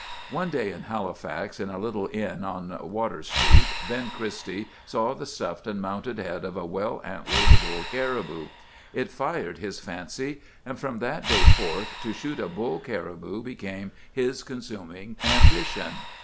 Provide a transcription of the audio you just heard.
"One day in Halifax, in a little inn on Water Street, Ben Christie saw the stuffed and mounted head of a well antlered bull caribou. It fired his fancy; and from that day forth to shoot a bull caribou became his consuming ambition.